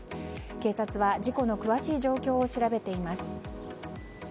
警察は事故の詳しい状況を調べています。